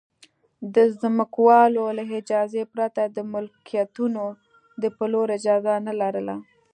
د ځمکوالو له اجازې پرته د ملکیتونو د پلور اجازه نه لرله